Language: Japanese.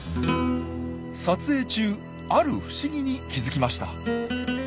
撮影中ある不思議に気付きました。